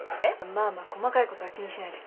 まあまあ細かいことは気にしないで。